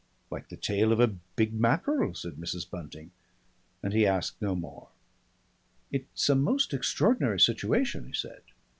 "Like the tail of a big mackerel," said Mrs. Bunting, and he asked no more. "It's a most extraordinary situation," he said.